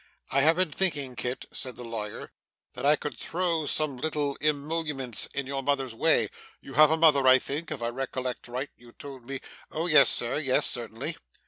'I have been thinking, Kit,' said the lawyer, 'that I could throw some little emoluments in your mother's way You have a mother, I think? If I recollect right, you told me ' 'Oh yes, Sir, yes certainly.